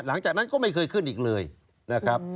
หลังจากนั้นก็ไม่เคยขึ้นอีกเลยนะครับ